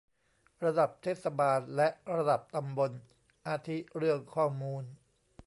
ระดับเทศบาล และ ระดับตำบล อาทิ เรื่องข้อมูล